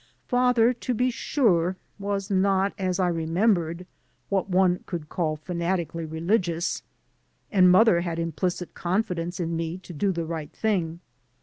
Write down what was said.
Father, to be sure, was not, as I remembered, what one could call fanatically religious, and mother had impUcit confidence in me to do the right thing.